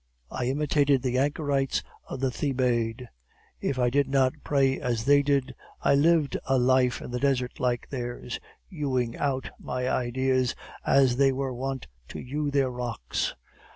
I imitated the anchorites of the Thebaid. If I did not pray as they did, I lived a life in the desert like theirs, hewing out my ideas as they were wont to hew their rocks.